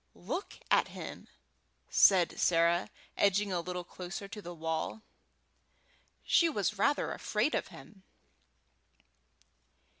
"Look at him!" said Sarah, edging a little closer to the wall; she was rather afraid of him.